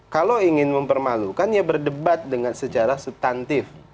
kalau ingin mempermalukan ya berdebat dengan secara subtantif